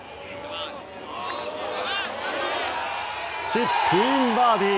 チップインバーディー！